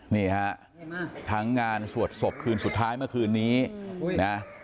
นี่ฮะทั้งงานสวดศพคืนสุดท้ายเมื่อคืนนี้นะ